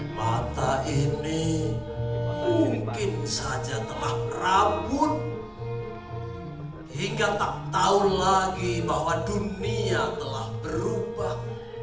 mata ini mungkin saja telah rambut hingga tak tahu lagi bahwa dunia telah berubah